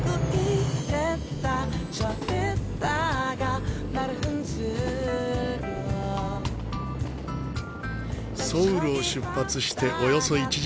ソウルを出発しておよそ１時間半。